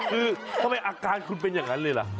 คือทำไมอาการคุณเป็นอย่างนั้นเลยล่ะ